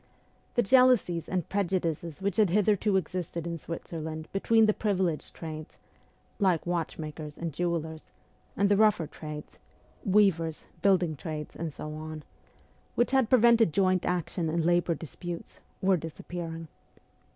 The jealousies and prejudices which had hitherto existed in Switzerland between the privileged trades (the watchmakers and jewellers) and the rougher trades (weavers, building trades, and so on), and which had prevented joint action in labour disputes, were disap FIRST JOURNEY ABROAD 57 pearing.